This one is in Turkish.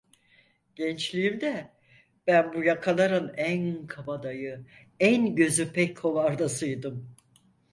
Gençliğimde ben bu yakaların en kabadayı, en gözü pek hovardasıydım.